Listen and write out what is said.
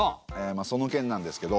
まあその件なんですけど。